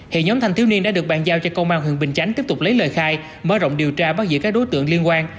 hiện nhóm thanh thiếu niên đã được bàn giao cho công an huyện bình chánh tiếp tục lấy lời khai mở rộng điều tra bắt giữ các đối tượng liên quan